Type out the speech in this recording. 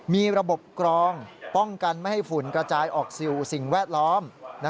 มีระบบกรองป้องกันไม่ให้ฝุ่นกระจายออกสู่สิ่งแวดล้อม